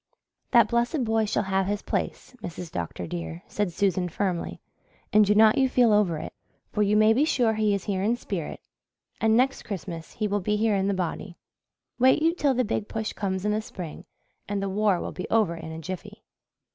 "That blessed boy shall have his place, Mrs. Dr. dear," said Susan firmly, "and do not you feel over it, for you may be sure he is here in spirit and next Christmas he will be here in the body. Wait you till the Big Push comes in the spring and the war will be over in a jiffy."